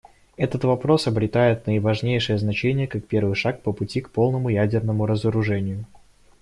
Этот вопрос обретает наиважнейшее значение как первый шаг по пути к полному ядерному разоружению.